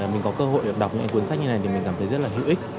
mình có cơ hội được đọc những cuốn sách như này thì mình cảm thấy rất là hữu ích